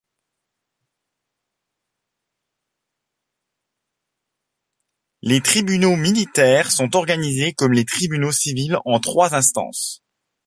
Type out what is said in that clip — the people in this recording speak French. Les tribunaux militaires sont organisés, comme les Tribunaux civils, en trois instances.